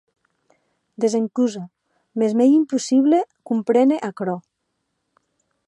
Desencusa, mès que m'ei impossible compréner aquerò.